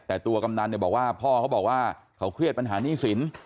แต่ตัวกำนันพ่อเขาบอกว่าเขาเครียดปัญหานิสิน